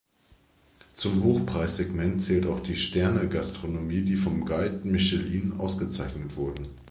Zum Hochpreis-Segment zählt auch die „Sterne-Gastronomie“, die vom Guide Michelin ausgezeichnet wurde.